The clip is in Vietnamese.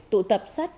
tụ tập sát phạt